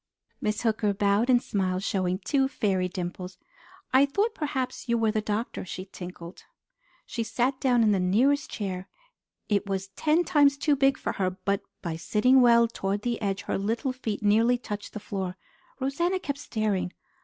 Miss Hooker bowed and smiled, showing two fairy dimples. "I thought perhaps you were the doctor," she tinkled. She sat down in the nearest chair. It was ten times too big for her, but by sitting well toward the edge, her little feet nearly touched the floor. Rosanna kept staring.